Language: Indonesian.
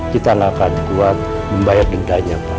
kita gak akan buat membayar dendanya pak